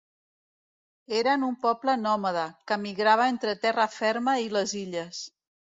Eren un poble nòmada, que migrava entre terra ferma i les illes.